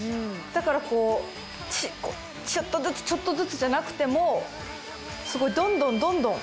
だからこうちょっとずつちょっとずつじゃなくてもすごいどんどんどんどん。